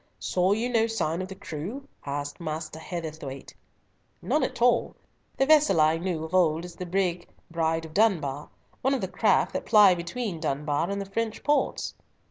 "Saw you no sign of the crew?" asked Master Heatherthwayte. "None at all. The vessel I knew of old as the brig Bride of Dunbar, one of the craft that ply between Dunbar and the French ports."